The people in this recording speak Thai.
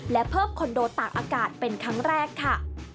และเพิ่มคอนโดตากอากาศเป็นครั้งแรกค่ะ